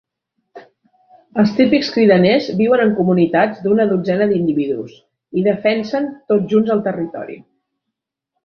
Els típics cridaners viuen en comunitats d'una dotzena d'individus, i defensen tots junts el territori.